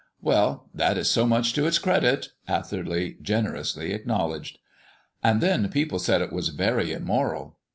"Well, that is so much to its credit," Atherley generously acknowledged. "And then, people said it was very immoral.